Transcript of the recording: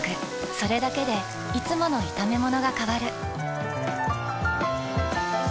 それだけでいつもの炒めものが変わる。